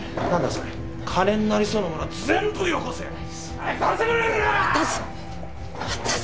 それ金になりそうなものは全部よこせ早く出せ！